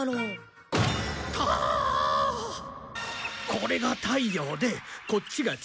これが太陽でこっちが地球と月。